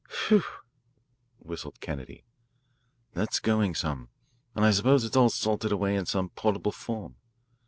"Whew," whistled Kennedy, "that's going some. And I suppose it is all salted away in some portable form.